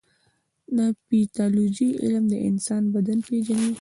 د پیتالوژي علم د انسان بدن پېژني.